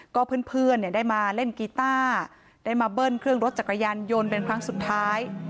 ก็เพื่อนได้มาเล่นกีต้าได้มาเบิ้ลเครื่องรถจักรยานยนต์เป็นครั้งสุดท้าย